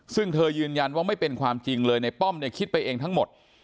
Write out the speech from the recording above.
ซึ่งเธอยืนยันว่าไม่เป็นความจริงเลยในป้อมเนี่ยคิดไปเองทั้งหมด